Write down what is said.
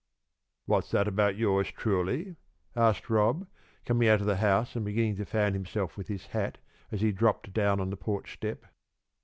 "What's that about yours truly?" asked Rob, coming out of the house and beginning to fan himself with his hat as he dropped down on the porch step.